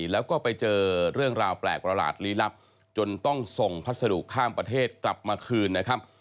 แล้วก็ไปเจอเรื่องราวแปลกประหลาดลี้ลับจนต้องส่งพัสดุข้ามประเทศกลับมาคืนนะครับ